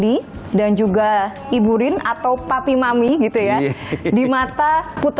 itu batu dan dari batu itu